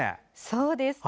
そうです。